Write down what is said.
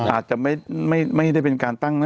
อาจจะไม่ได้เป็นการตั้งนะ